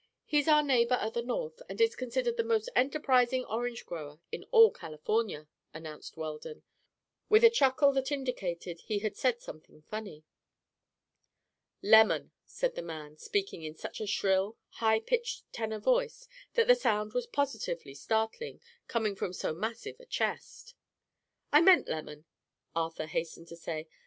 He's our neighbor at the north and is considered the most enterprising orange grower in all California," announced Weldon, with a chuckle that indicated he had said something funny. "Lemon," said the man, speaking in such a shrill, high pitched tenor voice that the sound was positively startling, coming from so massive a chest. "I meant lemon," Arthur hastened to say.